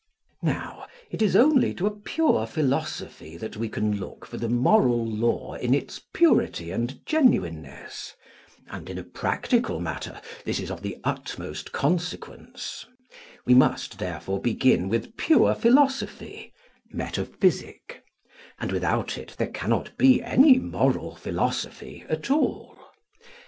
Now it is only in a pure philosophy that we can look for the moral law in its purity and genuineness (and, in a practical matter, this is of the utmost consequence): we must, therefore, begin with pure philosophy (metaphysic), and without it there cannot be any moral philosophy at all.